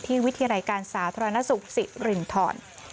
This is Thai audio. ที่วิทยาลัยการศาสตร์ธรรณสุขศริรินทร